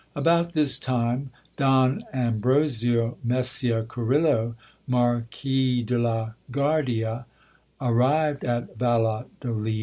About this time Don Ambrosio Mesia Carillo, Marquis de la Guardia, ar rived at Valladolid.